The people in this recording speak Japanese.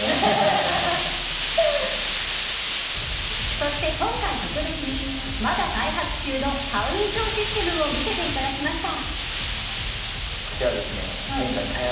そして今回、特別にまだ開発中の顔認証システムも見せていただきました。